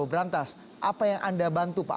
berantas apa yang anda bantu pak